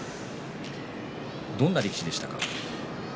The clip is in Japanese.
どんな力士でしたか？